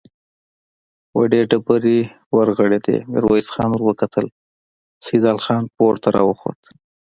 وړې ډبرې ورغړېدې، ميرويس خان ور وکتل، سيدال خان پورته را خوت.